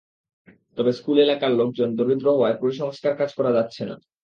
তবে স্কুল এলাকার লোকজন দরিদ্র হওয়ায় পুরো সংস্কারকাজ করা যাচ্ছে না।